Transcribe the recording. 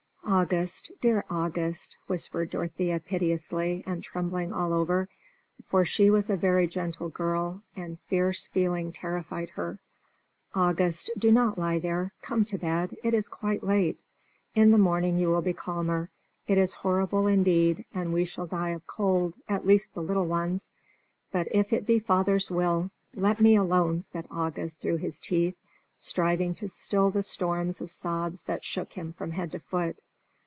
"August, dear August," whispered Dorothea piteously, and trembling all over for she was a very gentle girl, and fierce feeling terrified her "August, do not lie there. Come to bed: it is quite late. In the morning you will be calmer. It is horrible indeed, and we shall die of cold, at least the little ones; but if it be father's will " "Let me alone," said August, through his teeth, striving to still the storm of sobs that shook him from head to foot.